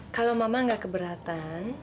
kalau mama gak keberatan